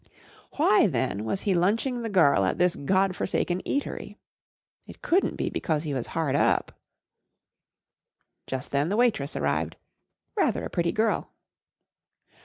Why, then, was he, lunch¬ ing the girl at this God forsaken eatery ? It couldn't be because he was hard up. Just then the waitress arrived* Rather a pretty girl.